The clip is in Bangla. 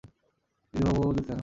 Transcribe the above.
বিশু বাবু, দুধ খেয়ে নাও।